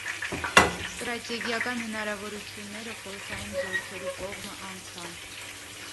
Ստրատեգիական հնարաւորութիւնները խորհրդային զօրքերու կողմը անցան։